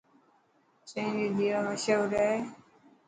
چين ري ديوار مشهور هي.